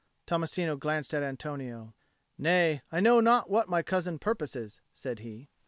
Tommasino glanced at Antonio. "Nay, I know not what my cousin purposes," said he.